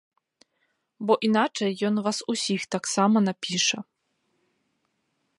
Бо іначай ён вас усіх таксама напіша.